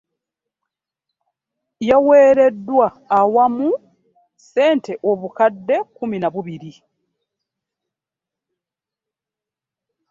Yaweereddwa awamu ne ssente obukadde kkumi na bubiri.